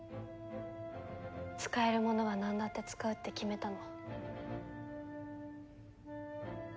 使えるものはなんだって使うって決めたの。